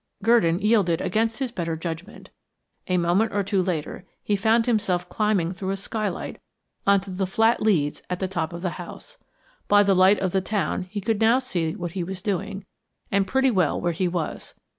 Gurdon yielded against his better judgment. A moment or two later, he found himself climbing through a skylight on to the flat leads at the top of the house. By the light of the town he could now see what he was doing, and pretty well where he was.